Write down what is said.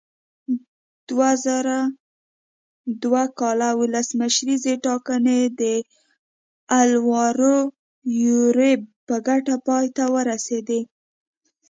دوه زره دوه کال ولسمشریزې ټاکنې د الوارو یوریب په ګټه پای ته ورسېدې.